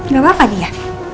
gak apa apa dia